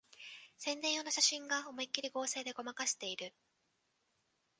宣伝用の写真が思いっきり合成でごまかしてる